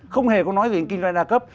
không hề có nói gì đến kinh doanh đa cấp